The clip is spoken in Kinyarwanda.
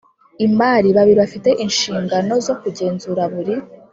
imari babiri bafite inshingano zo kugenzura buri